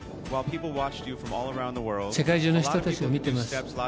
世界中の人たちも見てます。